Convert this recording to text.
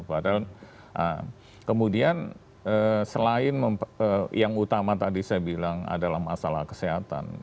padahal kemudian selain yang utama tadi saya bilang adalah masalah kesehatan